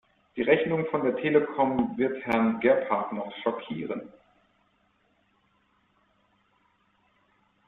Die Rechnung von der Telekom wird Herrn Gebhardt noch schockieren.